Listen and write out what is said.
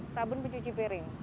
sabun pencuci piring